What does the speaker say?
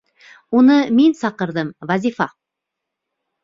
Уны мин саҡырҙым, Вазифа.